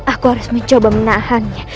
aku harus mencoba menahannya